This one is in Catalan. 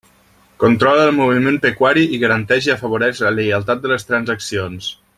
Controla el moviment pecuari i garanteix i afavoreix la lleialtat de les transaccions.